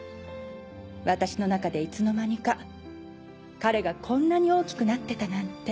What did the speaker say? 私の中でいつの間にか彼がこんなに大きくなってたなんて